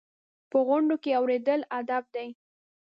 په غونډو کې اورېدل ادب دی.